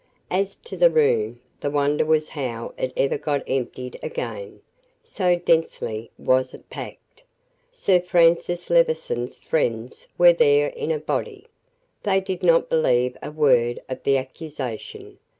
As to the room, the wonder was how it ever got emptied again, so densely was it packed. Sir Francis Levison's friends were there in a body. They did not believe a word of the accusation.